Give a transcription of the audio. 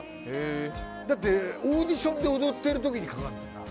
だってオーディションで踊ってるときに掛かるんだよな。